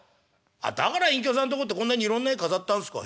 「あっだから隠居さんとこってこんなにいろんな絵飾ってあんすか。